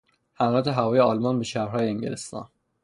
حملات هوایی آلمان به شهرهای انگلستان